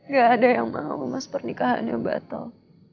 gak ada yang mau mas pernikahannya batal